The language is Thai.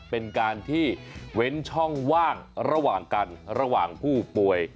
เป็นการที่เว้นช่องว่างระหว่างกันระหว่างผู้ป่วย